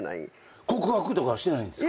告白とかはしてないんですか？